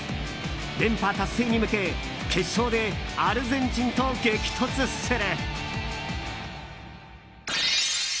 連覇達成に向け決勝でアルゼンチンと激突する。